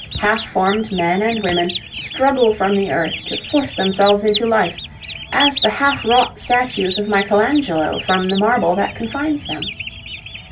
Half formed men and women struggle from the earth to force themselves into life, as the half wrought statues of Michelangelo from the marble that confines them.